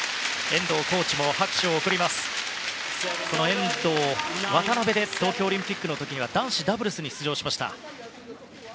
遠藤、渡辺で東京オリンピックの時は男子ダブルスに出場しました。